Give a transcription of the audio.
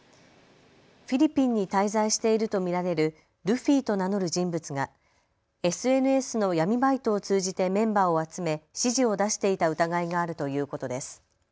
フィリピンに滞在していると見られるルフィと名乗る人物がＳＮＳの闇バイトを通じてメンバーを集め指示を出していた疑いがあるということです。